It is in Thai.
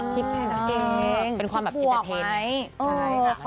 คิดแค่นั้นเองคิดบวกไหมใช่ค่ะมันชอบค่ะใช่ค่ะ